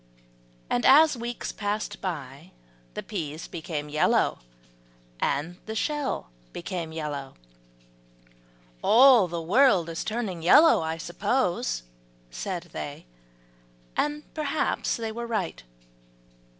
And as weeks passed by, the peas became yellow, and the shell became yellow. "All the world is turning yellow, I suppose," said they, and perhaps they were right.